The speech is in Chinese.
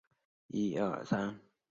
一般贴在墙上或印在雇员身份上。